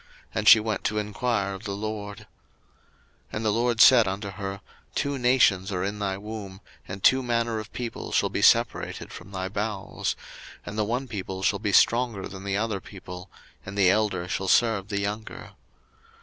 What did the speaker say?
And she went to enquire of the LORD. 01:025:023 And the LORD said unto her, Two nations are in thy womb, and two manner of people shall be separated from thy bowels; and the one people shall be stronger than the other people; and the elder shall serve the younger.